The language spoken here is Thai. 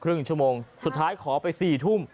ครึ่งชั่วโมงสุดท้ายขอไป๔ทุ่ม